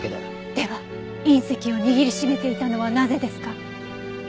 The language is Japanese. では隕石を握り締めていたのはなぜですか？